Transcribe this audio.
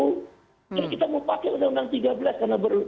kalau kita mau pakai uu tiga belas karena